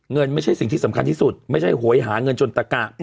ไม่ใช่สิ่งที่สำคัญที่สุดไม่ใช่โหยหาเงินจนตะกะ